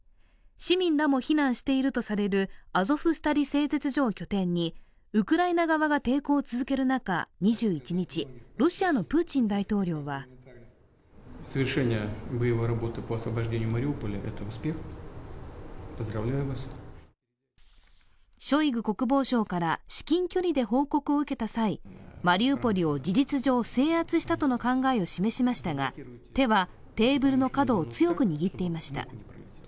市民らも避難しているとされるアゾフスタリ製鉄所を拠点にウクライナ側が抵抗を続ける中２１日、ロシアのプーチン大統領はショイグ国防相から至近距離で報告を受けた際、マリウポリを事実上制圧したとの考えを示しましたが手はテーブルの角を強く握っていました。